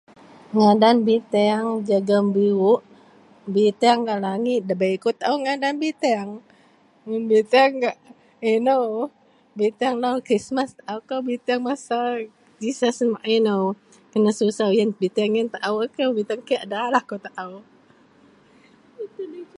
Ngadan bintang jegam biru bintang gak langit da bei ko tau ngadan bintang mun bintang lau krismas tou kou bintang Jesus kena susou. Bintang yian tau lah aku bintang kei da lah aku tau.